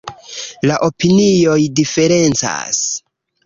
La opinioj diferencas.